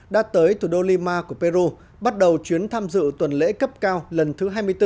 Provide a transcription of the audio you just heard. đã tới thủ đô lima của peru bắt đầu chuyến tham dự tuần lễ cấp cao lần thứ hai mươi bốn